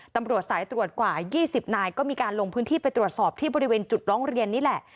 ตำรวจสายตรวจกว่า๒๐นายก็มีการลงพื้นที่ไปตรวจสอบที่บริเวณจุดร้องเรียนนี่แหละ